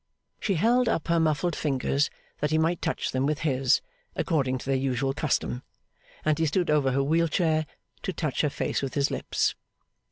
She held up her muffled fingers that he might touch them with his, according to their usual custom, and he stood over her wheeled chair to touch her face with his lips.